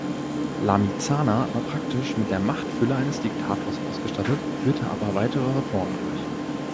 Lamizana war praktisch mit der Machtfülle eines Diktators ausgestattet, führte aber weitere Reformen durch.